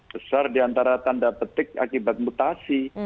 besar diantara tanda petik akibat mutasi